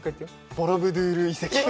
ボロブドゥール遺跡。